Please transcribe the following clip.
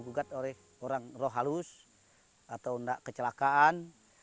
gugat oleh orang roh halus atau gak kecelakaan